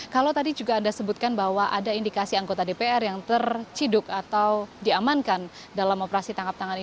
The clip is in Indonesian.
kalau tadi juga anda sebutkan bahwa ada indikasi anggota dpr yang terciduk atau diamankan dalam operasi tangkap tangan ini